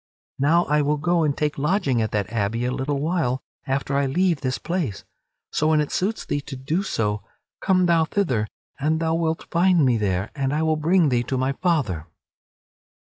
Now I will go and take lodging at that abbey a little while after I leave this place. So when it suits thee to do so, come thou thither and thou wilt find me there and I will bring thee to my father."